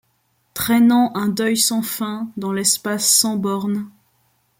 Traînant un deuil-sans fin dans l'espace sans borne